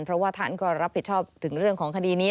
เพราะว่าท่านก็รับผิดชอบถึงเรื่องของคดีนี้